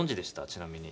ちなみに。